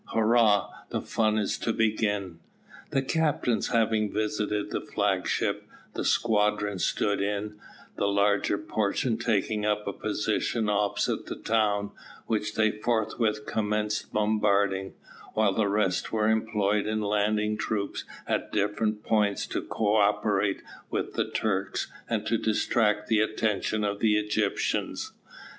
"Hurrah! the fun's to begin." The captains having visited the flag ship, the squadron stood in, the larger portion taking up a position opposite the town, which they forthwith commenced bombarding, while the rest were employed in landing troops at different points to co operate with the Turks, and to distract the attention of the Egyptians.